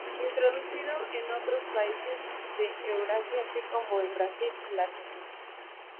Introducido en otros países de Eurasia así como en Brasil y la Argentina.